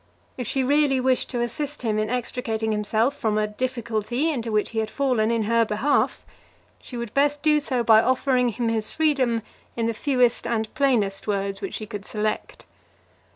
If she really wished to assist him in extricating himself from a difficulty into which he had fallen in her behalf, she would best do so by offering him his freedom in the fewest and plainest words which she could select.